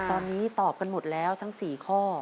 ตอนนี้ตอบไปหมดแล้วทั้งสี่ข้อ